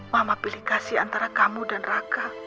mama pilih kasih antara kamu dan raka